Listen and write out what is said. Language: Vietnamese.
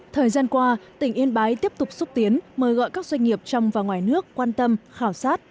thời gian qua tỉnh yên bái tiếp tục xúc tiến mời gọi các doanh nghiệp trong và ngoài nước quan tâm khảo sát